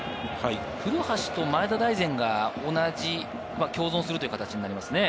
古橋と前田大然が同じ、共存するという形になりますね。